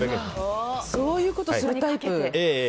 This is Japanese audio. そういうことするタイプ？